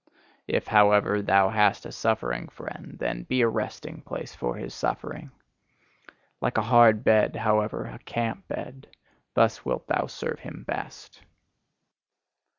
If, however, thou hast a suffering friend, then be a resting place for his suffering; like a hard bed, however, a camp bed: thus wilt thou serve him best.